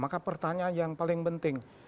maka pertanyaan yang paling penting